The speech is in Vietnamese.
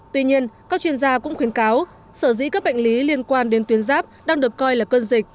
tuy nhiên các chuyên gia cũng khuyến cáo sở dĩ các bệnh lý liên quan đến tuyến giáp đang được coi là cơn dịch